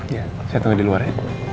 iya saya tunggu di luar ya